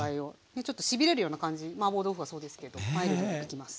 ちょっとしびれるような感じマーボー豆腐はそうですけどマイルドにいきます。